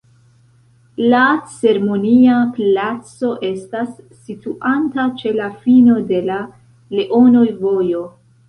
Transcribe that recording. La Ceremonia Placo estas situanta ĉe la fino de la Leonoj-Vojo.